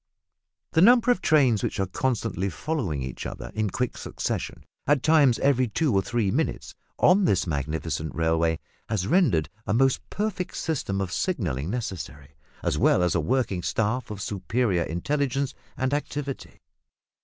The number of trains which are constantly following each other in quick succession (at times every two or three minutes) on this magnificent railway has rendered a most perfect system of signalling necessary, as well as a working staff of superior intelligence and activity.